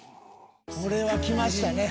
これはきましたね。